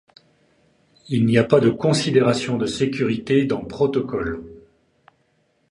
Il n'y a pas de considération de sécurité dans protocole.